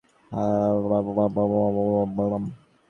অজুহাত দিচ্ছি না, কিন্তু দুবারই এখানে আসার আগে দেশে ছিল তীব্র শীত।